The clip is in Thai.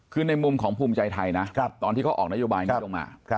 คือในมุมของภูมิใจไทยนะตอนที่เขาออกนโยบายนี้ลงมา